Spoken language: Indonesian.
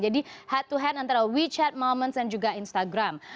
jadi hati hati antara wechat moments dan juga instagram